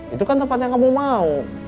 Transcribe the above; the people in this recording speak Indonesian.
itu kan tempat yang kamu mau